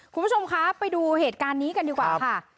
คุณผู้ชมคะไปดูเหตุการณ์นี้กันดีกว่าค่ะ